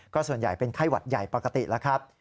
ส่วนใหญ่เป็นไข้หวัดใหญ่ปกติแล้วครับ